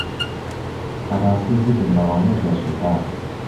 بەڕاستی زگم بەوانەش دەسووتا.